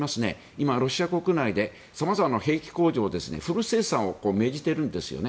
今、ロシア国内で様々な兵器工場にフル生産を命じてるんですね。